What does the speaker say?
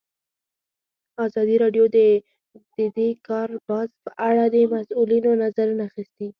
ازادي راډیو د د کار بازار په اړه د مسؤلینو نظرونه اخیستي.